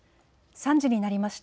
３時になりました。